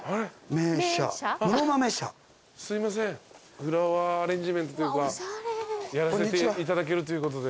フラワーアレンジメントやらせていただけるということで。